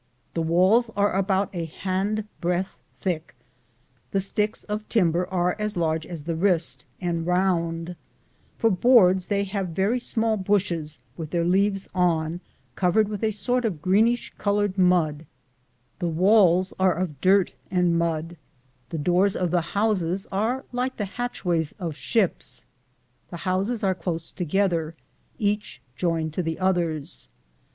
The walls are about a handbreadth thick ; the sticks of timber are as large aa the wrist, and round ; for boards, they have very small bushes, with their leaves on, covered with a sort of greenish colored mud ; the walls are of dirt and mud, the doors of the houses are like the hatchways of ships. The houses are close together, each joined to the others.